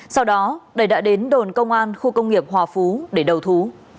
sau đó đầy đã đến đồn công an khu công nghiệp hòa phú để đầu thú